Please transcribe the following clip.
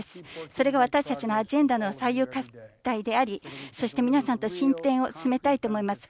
それがアジェンダの採用課題でありそして皆さんと進展を進めたいと思います。